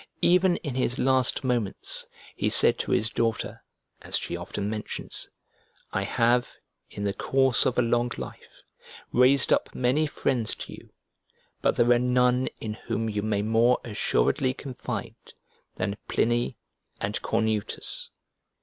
Even in his last moments he said to his daughter (as she often mentions), "I have in the course of a long life raised up many friends to you, but there are none in whom you may more assuredly confide than Pliny and Cornutus."